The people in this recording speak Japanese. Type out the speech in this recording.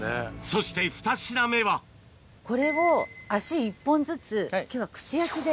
そして２品目はこれを足１本ずつ今日は。